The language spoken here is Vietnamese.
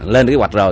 lên cái hoạch rồi